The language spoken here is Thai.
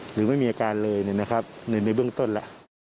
หรือไม่มีอาการเลยนะครับในเบื้องต้นแล้ว